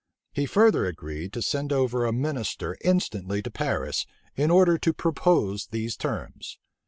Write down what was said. He further agreed to send over a minister instantly to Paris, in order to propose these terms.